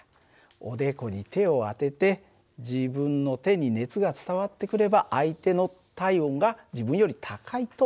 おでこに手を当てて自分の手に熱が伝わってくれば相手の体温が自分より高いと分かるよね。